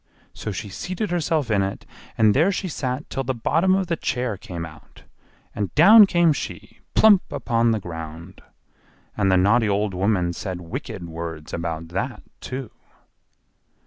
So she seated herself in it, and there she sat till the bottom of the chair came out, and down came she, plump upon the ground. And the naughty old woman said wicked words about that, too.